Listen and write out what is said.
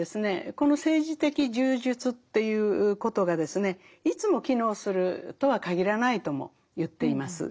この政治的柔術ということがですねいつも機能するとは限らないとも言っています。